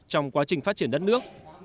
trong quá trình phát triển đất nước